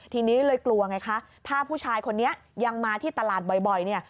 ทีนี้เลยกลัวไงคะถ้าผู้ชายคนนี้ยังมาที่ตลาดบ่อยเนี่ย